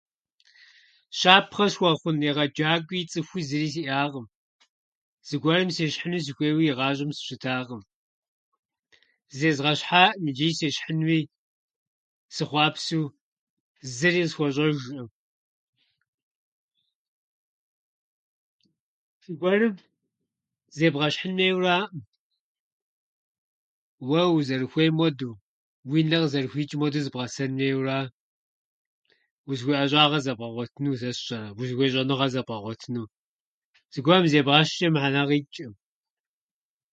Щапхъэ схуэхъун егъэджакӏуи, цӏыхуи зыри сиӏакъым. Зыгуэрым сещхьыну сыхуейуи игъащӏэм сыщытакъым. Зезгъэщхьаӏым ичӏи сещхьынууи сыхъуапсэу зыри къысхуэщӏэжӏым. Зыгуэрым зебгъэщхьын хуейуэраӏым, уэ узэрыхуейм хуэдэу, уи нэ къызэрыхуичӏым хуэдэу зыбгъэсэн хуейуэра, узыхуей ӏэщӏагъэ зэбгъэгъуэтыну, сэ сщӏэрэ, узыхуей щӏэныгъэ зэбгъэгъуэтыну. Зыгуэрым зебгъэщхьчӏэ мыхьэнэ къичӏӏым.